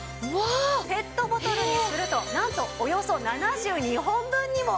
ペットボトルにするとなんとおよそ７２本分にもなるんです。